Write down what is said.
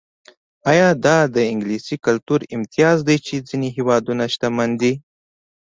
ایا دا د انګلیسي کلتور امتیاز دی چې ځینې هېوادونه شتمن دي.